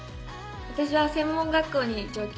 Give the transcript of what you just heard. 私は専門学校に。